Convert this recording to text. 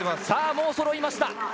さあ、もうそろいました。